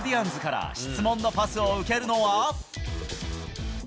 日本代表、ワーナー・ディアンズから質問のパスを受けるのは。